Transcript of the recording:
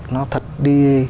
nó thật đi